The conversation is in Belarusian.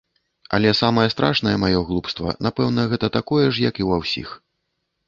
Але самае страшнае маё глупства, напэўна, гэта такое ж, як і ва ўсіх.